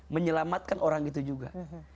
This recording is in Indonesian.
menyelamatkan orang itu juga